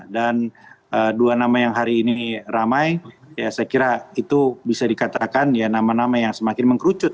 dan dua nama yang hari ini ramai ya saya kira itu bisa dikatakan ya nama nama yang semakin mengkerucut